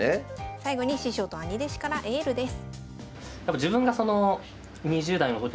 最後に師匠と兄弟子からエールです。